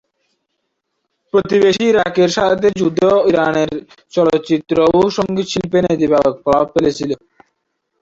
প্রতিবেশী ইরাকের সাথে যুদ্ধ ইরানের চলচ্চিত্র ও সঙ্গীত শিল্পে নেতিবাচক প্রভাব ফেলেছিল।